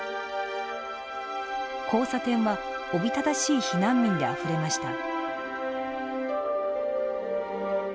交差点はおびただしい避難民であふれました。